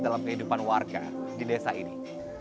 dalam kehidupan warga di desa ini